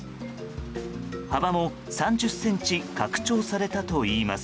幅も３０ｃｍ拡張されたといいます。